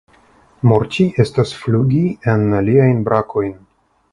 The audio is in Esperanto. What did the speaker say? Morti estas flugi en liajn brakojn.